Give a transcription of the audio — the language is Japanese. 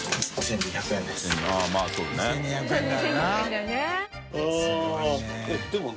２２００円だよね。